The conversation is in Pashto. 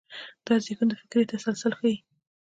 دا زېږون د فکر تسلسل ښيي.